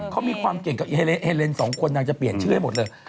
เขามีความเก่งกับเฮเลนส์สองคนนางจะเปลี่ยนชื่อให้หมดเลย